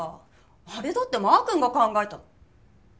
あれだってまーくんが考えた。